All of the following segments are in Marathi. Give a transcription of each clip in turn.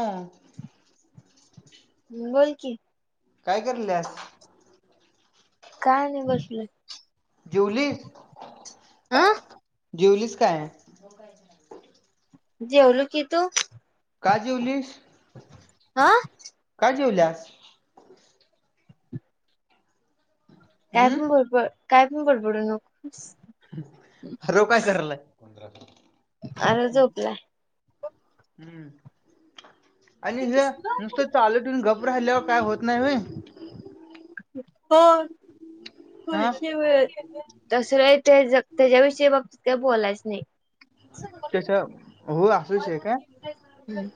हो हम्म बोल कि काय करल्यास? काय नाय बसलोय. जेवलीस? अं जेवलीस काय? जेवलो की तू? का जेवलीस? हा जिवल्यास काय पण बडब काय पण बडबडू नक आरव काय करायलाय? पंदरा आरव झोपलाय. हम्म आणि हे नुसतं चालत येवुन गप राहिल्यावर काय होत नाही होय होय हा [unintelligible] त्याज त्यांच्याविषयी बघ त्याच्या हो असूच आहे का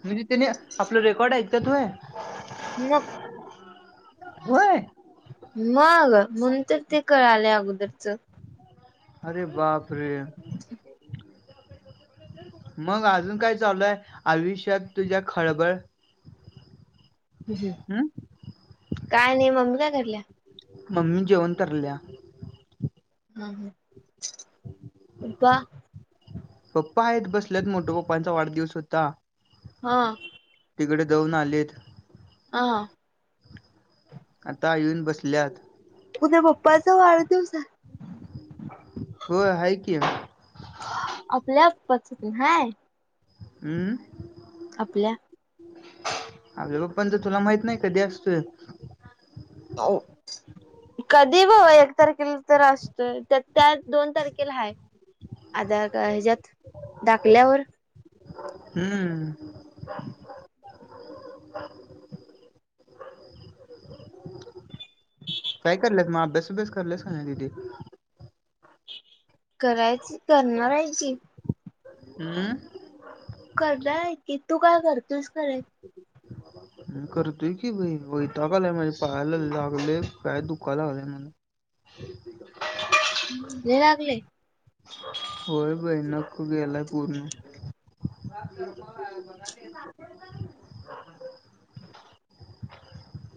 म्हणजे त्याने आपलं रेकॉर्ड ऐकत्यात होय. मग होय मग म्हणुन तर ते कळालय अगोदरच अरे बाप रे मग अजून काय चालूय आयुष्यात तुझ्या खळबळ हम्म काय नाही मम्मी काय कराल्या मम्मी जेवण कराल्या पप्पा? पप्पा आहेत बसल्यात मोठ पप्पांचा वाढदिवस होता. हा तिकडे जाऊन आलेत. हा आता येऊन बसल्यात. उद्या पप्पाचा वाढदिवस हाय हो हाय कि, आपल्या पप्पाचा पण हाय हम्म आपल्या? आपल्या पप्पांच तुला माहित नाही कधी असतोय? कधी बाबा एक तारखेला तर असतो त्या त्या दोन तारखेला हा आधार हेच्यात दाखल्यावर हम्म काय कराल्यास मग अभ्यास-बिभ्यास कराल्यास का नाही दिदी? करायची करणार आहे की हम्म करणार आहे की तू काय करतोस खरं ह कर व्हय की व्हय वैताग आलाय पायाला लागलंय पाय दुखा लागलायं. लय लागलयं होय बाईना गेलाय पूर्ण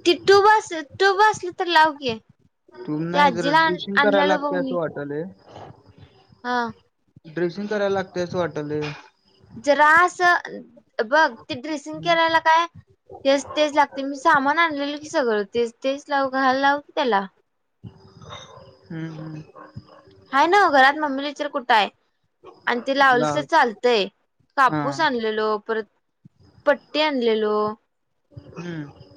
ती टुब असल ती टूब असली तर लाव की टुब ते नाही खरं आजीला ड्रिशिंग करायला आणलेलं बघ लागतयं असं मी वाटालय हा ड्रेसिंग करायला लागते असं वाटलयं जरा असं बघ ते ड्रेसिंग केरायला काय तेच तेच लागते मी सामान आणलेल की सगळं तेच तेच लावू घाल लावू की त्याला हम्म हम्म हाय ना घरात मम्मीला विचार कुठं आहे? आणि ते लावलस की लाव चालतंय. हा कापूस आणलेलो परत, पट्टी आणलेलो हम्म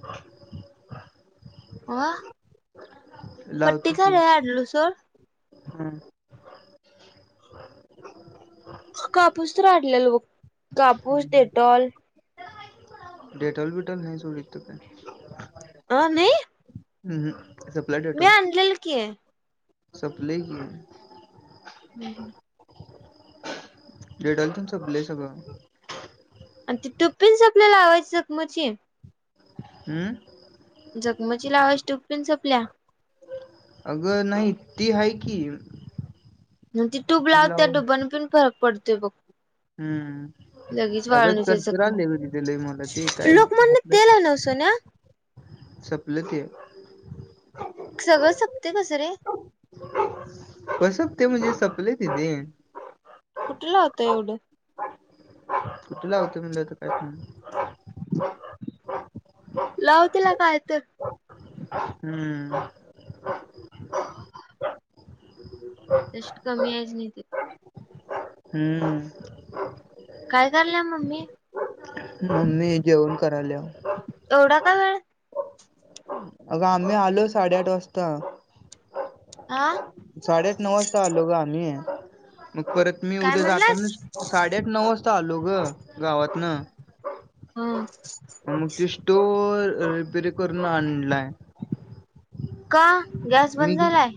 अं पट्टी लावतो की खरी आणलो सोड. हम्म कापूस तर आणलेलो बघ. कापूस हम्म डेटॉल डेटॉल बिटॉल नाही सोड हितं काय अं नाही? हम् ह. मी आणलेलं की. सपलयं की. हम् हम. डेडॉल तेन सपलंय सगळं. आणि ती टुबपीन संपलीया लावायची जखमची हम्म. जखमची लावायची टुबपण संपलीया? अगं नाही ती हाय की. न ती टूब लाव त्या टूबनं पण फरक पडतोय बघ. हम्म. लगेच अगं वाळूनच ये करचर जखम. आलय ग तिथे लय मला ते काय लोकमान्य तेलहाय नवं सोन्या? सपलं ते. सगळं सपतय कसं रे? कसं सपतय म्हणजे सपलंय दीदे. कुठं लावतोय एवढं? कुठं लावतोय म्हणाल्यावर आता काय ब [unintelligible] लावतेला काय तर. हम्म. त्याशिवाय कमी यायचं नाई ते. हम्म. काय कराल्या मम्मी? मम्मी जेवन कराल्या. एवढा का वेळ अगं आम्ही आलो साडेआठ वाजता. आह? साडेआठ-नऊ वाजता आलो गं आम्ही. हो. मग परत मी काय उद्या म्हणलास जाताना साडेआठ नऊ वाजता आता आलो गं गावातनं. हा. मग त्यो स्टोअ रिपेरी करून आणलाय. का अ गॅस मी बंद घेऊन झालाय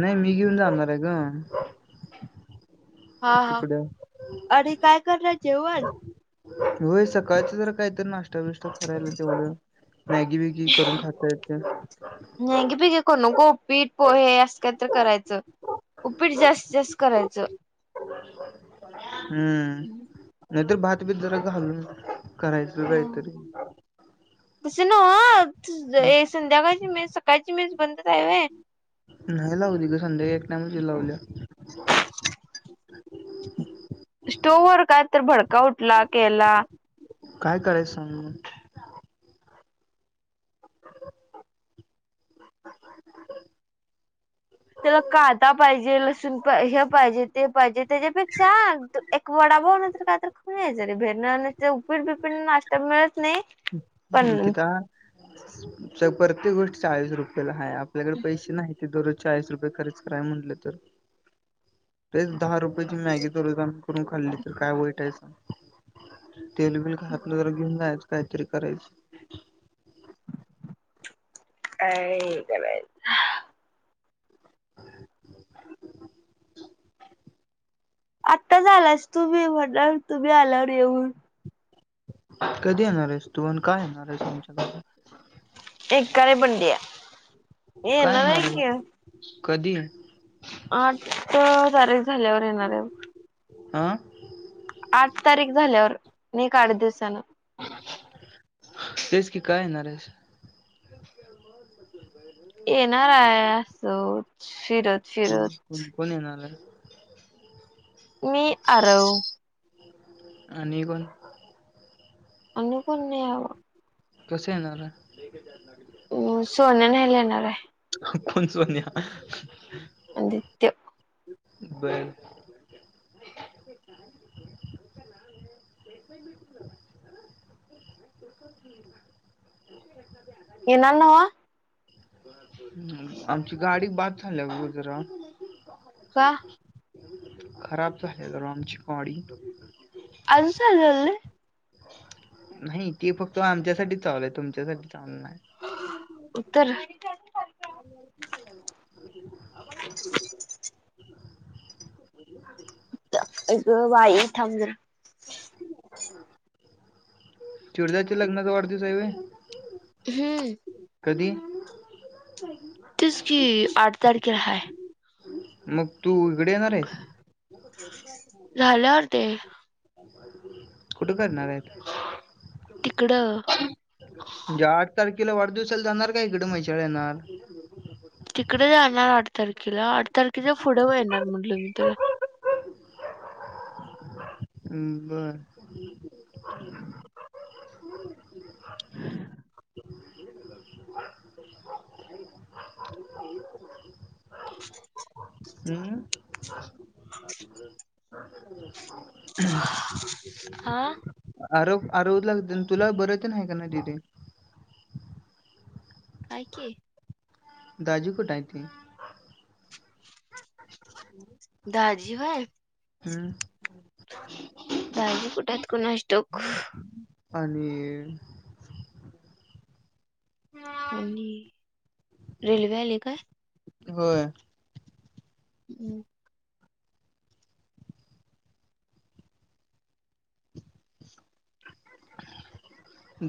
नाही मी घेऊन जाणार आहे ग हा हा आणि काय तू करणार जेवण होय सकाळचं जर काहीतर नाशता चविष्ट करायला तेवढं मॅगी बीगी करून खाता येतय घ्यागे पिघे करू नको उपीट पोहे अस काय तरी करायचं उपीट जास्तीत जास्त करायचं हम्म नाहीतर भात बिदर घालून जाणार करायच काहीतरी तस नव हम्म. ए संध्याकाळची मेस सकाळची मेस बंदच हाय व्हय नाही लावली ग संध्याकाळी एक टाइमची लावलीया स्टोववर काय तर भडका उडला केला काय करायचं सांग मग त्याला कादा पाहिजे लसूण हे पाहिजे ते पाहिजे त्याच्यापेक्षा एक वडा पाव न तर का तर खन यायचं भेरण उपीड बिपीड नाश्ता मिळत नाही पण निकिता चपर ते गोष्ट चाळीस रुपयेला हे आपल्याकडं पैसे नाहीत ते दररोज चाळीस रुपये खर्च कराय म्हंटल तर तेच दहा रुपयची मॅगी दररोज आम्ही करून खाल्ली तर काय वईटायच तेलबिल घातलं जरा घेऊन जायचं काहीतरी करायचं काय करायचं आत्ताच आलास तुम्ही म्हटला तुम्ही आलावर येऊन कधी येणार आहेस तूण का येणार आहेस आमच्या घरी एक का रे बंडया काय येनाराय येणार की आहेस कधी आठ तारीख झाल्यावर येणार आहे आह आठ तारीख झाल्यावर नीक आठ दिवसान तेच की का येणारेस येणार आहे असो फिरत फिरत कोण कोण येणाराय मी आरव आणि कोण आणि कोण नाहीवा कसं येणारा हम् सोन्या न्यायला येणार आहे कोण सोन्या आदित्य बर येणा नवा आमची गाडी बाद झाल्या ग जरा. का? खराब झाल्या जरा आमची गाडी. अजून चालले नाही ते फक्त आमच्यासाठीच चालू आहे, तुमच्यासाठी चालू नाही. उत्तर [inaudible] अई ग बाई थांब जरा. चिडद्याच्या लग्नाचा वाढदिवस आहे वय? हम्म. कधी? तेचकी आठ तारखेला हाय. मग तू हिकडं येणार आहेस? झाल्यावर ते. कुठे करणार आहेत? तिकडं म्हणजे आठ तारखे खेला वाढदिवसाला जाणार काय, हीकड मैहिशाळ ला येणार? तिकडे जाणार आठ तारखेला, आठ तारखेच्या पुढे मग येणार म्हटल मी तुला. हम्म, बर हम्म? आ? आरव आरव ला तेन तुला बर तेन हाय का नाही दिदे? हाय की. दाजी कुठं हायती? दाजी व्हय हम्म? दाजी कुठं हाइत कुणास ठाऊक. आणि आणि रेल्वे आली काय? होय हम्म.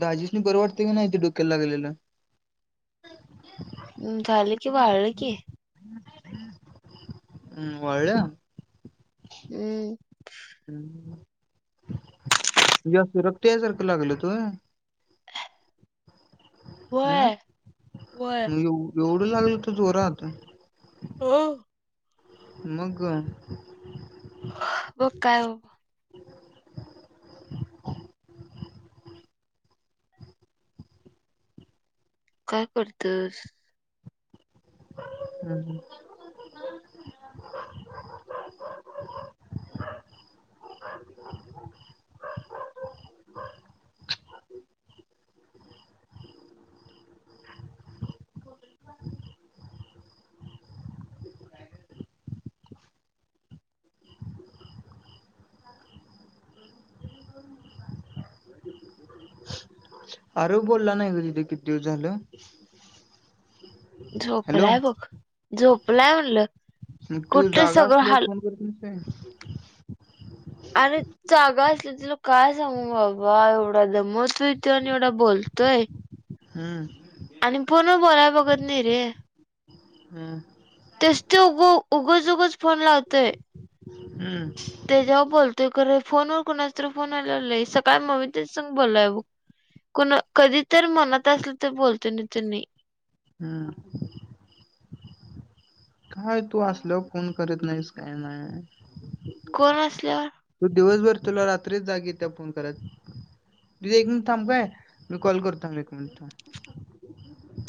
दाजीसनी बर वाटते की नाही ते डोक्याला लागलेलं? झालं कि, वाळल की. वाळल? हम्म. जास्त रक्त यासारखं लागल हुतं व्हय? व्हय व्हय मग एव- एवढं लागल हुतं जोरात? ह. मग ग. मग काय बाबा काय करतोस? हम्म. अरव बोलला नाही गं दीदे किती दिवस झालं. हॅलो झोपलाय बघ. झोपलाय म्हणलं. मग तू कुठलं जागा सगळं असल्याव फोन करत नाहीस काय? अरे जागा असल तुला काय सांगू बाबा एवढा दमवतोय तो आणि एवढा बोलतोय. हम्म आणि फोन बोलाय बघत नाही रे. हम्म तेच ते उग उगज उगच फोन लावतोय. हम्म तेच्याव बोलतोय खर फोन वर कुणाचातरी फोन आला नाही, सकाळी मम्मी तेच संग बोललाय ब कुणा कधीतरी मनात असलं तर बोलतोय नाही तर नाही. हम्म काय तू असल फोन करत नाहीस काय नाही. कोण असल्यावर तू दिवसभर तुला रात्रीच जाग इत्या फोन कराय. दीदे एक मिनिट थांब काय मी कॉल करतो, एक मिनिट थांब.